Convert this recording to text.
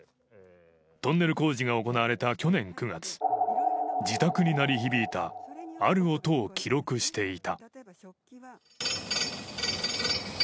トンネル工事が行われた去年９月、自宅に鳴り響いた、ある音を記録していた。